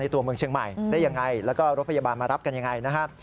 ตัวเมืองเชียงใหม่ได้ยังไงแล้วก็รถพยาบาลมารับกันยังไงนะครับ